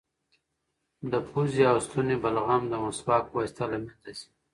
د پوزې او ستوني بلغم د مسواک په واسطه له منځه ځي.